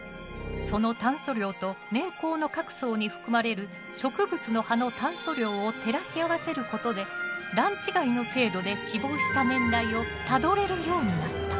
その炭素量と年縞の各層に含まれる植物の葉の炭素量を照らし合わせることで段違いの精度で死亡した年代をたどれるようになった。